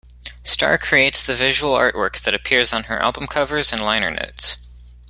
Starr creates the visual artwork that appears on her album covers and liner notes.